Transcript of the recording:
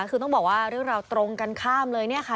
คือต้องบอกว่าเรื่องราวตรงกันข้ามเลยเนี่ยค่ะ